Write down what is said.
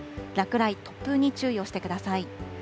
落雷、突風に注意をしてください。